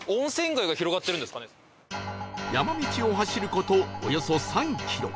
山道を走る事およそ３キロ